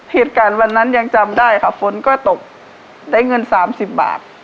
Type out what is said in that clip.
เหตุการณ์วันนั้นยังจำได้ค่ะฝนก็ตกได้เงิน๓๐บาท